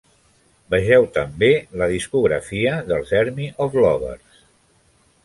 Vegeu també la discografia dels Army Of Lovers.